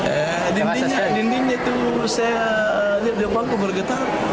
eh di dindingnya itu saya di apalagi bergetar